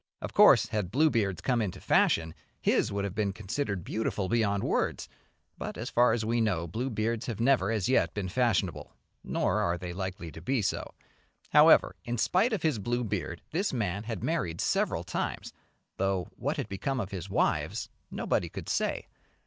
Of course had blue beards come into fashion his would have been considered beautiful beyond words, but, as far as we know, blue beards have never as yet been fashionable, nor are they likely to be so. However, in spite of his blue beard this man had married several times, though what had become of his wives nobody could say.